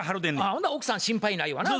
ほな奥さん心配ないわな。